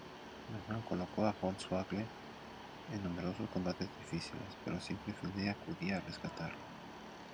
McMahon colocó a Hornswoggle en numerosos combates difíciles, pero siempre Finlay acudía a rescatarlo.